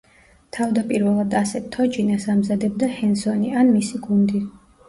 თავდაპირველად ასეთ თოჯინას ამზადებდა ჰენსონი ან მისი გუნდი.